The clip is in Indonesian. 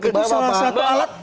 itu salah satu alat